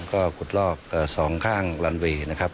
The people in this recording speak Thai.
ก็ขุดลอกสองข้างลันเวย์นะครับ